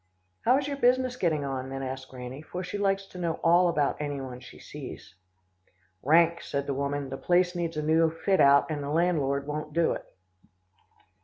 "'How is your business getting on?' then asked Granny, for she likes to know all about any one she sees. "'Rank,' said the woman, 'the place needs a new fit out, and the landlord won't do it.